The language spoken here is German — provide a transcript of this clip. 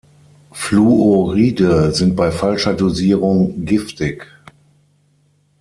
Fluoride sind bei falscher Dosierung giftig.